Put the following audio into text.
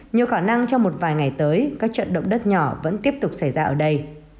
nhiều khả năng trong một vài ngày tới các trận động đất nhỏ vẫn tiếp tục xảy ra ở đây